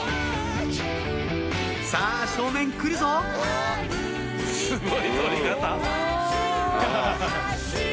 さぁ正面来るぞすごい撮り方！